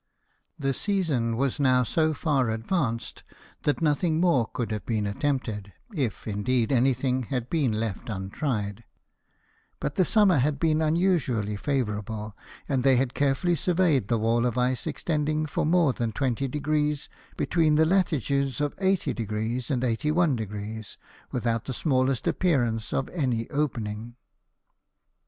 The season was now so far ad vanced that nothing more could have been attempted, if indeed anything had been left untried : but the summer had been unusually favourable, and they had carefully surveyed the wall of ice extending for more than twenty degrees between the latitudes of 80° and 81°, without the smallest appearance of any opening.